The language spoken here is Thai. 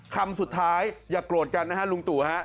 คำสุดท้ายอย่ากลดจันนะครับลุงตู่